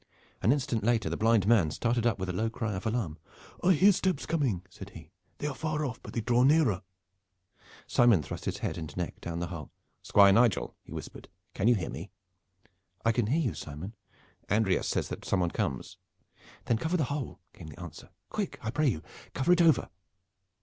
An instant later the blind man started up with a low cry of alarm. "I hear steps coming," said he. "They are far off, but they draw nearer." Simon thrust his head and neck down the hole. "Squire Nigel," he whispered, "can you hear me?" "I can hear you, Simon." "Andreas says that some one comes." "Then cover over the hole," came the answer. "Quick, I pray you, cover it over!"